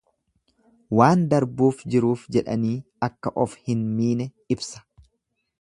Waan darbuuf jiruuf jedhanii akka of hin miine ibsa.